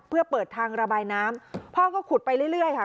เพื่อเปิดทางระบายน้ำพ่อก็ขุดไปเรื่อยค่ะ